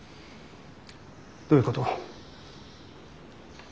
どういうこと？